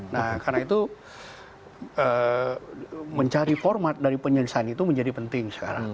nah karena itu mencari format dari penyelesaian itu menjadi penting sekarang